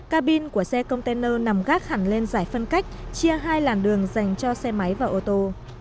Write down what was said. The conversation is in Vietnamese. cà bin của xe container nằm gác hẳn lên giải phân cách chia hai làn đường dành cho xe máy và ô tô